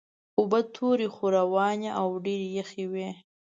اوبه تورې خو روانې او ډېرې یخې وې.